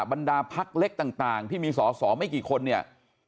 บรรดาพักเล็กต่างที่มีสอสอไม่กี่คนเนี่ย